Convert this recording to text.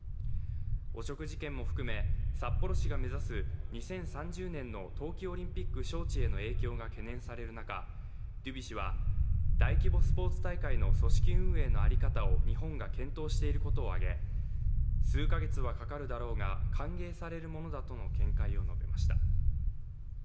汚職事件も含め、札幌市が目指す２０３０年の冬季オリンピック招致への影響が懸念される中、デュビ氏は大規模スポーツ大会の組織運営の在り方を日本が検討していることを挙げ、数か月はかかるだろうが、歓迎されるものだとの見解を示しました。